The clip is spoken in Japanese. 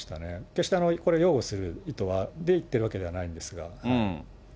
決して擁護する意図で言っているわけではないんですが。